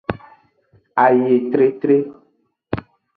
Ayetretre.